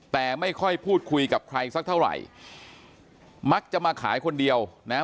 แต่ไม่ค่อยพูดคุยกับใครสักเท่าไหร่มักจะมาขายคนเดียวนะฮะ